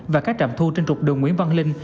và các trạm thu trên trục đường nguyễn văn linh